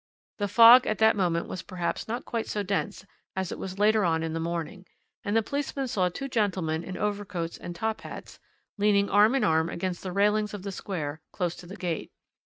The fog at that moment was perhaps not quite so dense as it was later on in the morning, and the policeman saw two gentlemen in overcoats and top hats leaning arm in arm against the railings of the Square, close to the gate.